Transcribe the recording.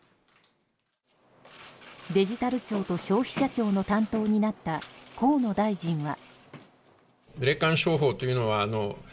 デジタル庁と消費者庁の担当になった河野大臣は。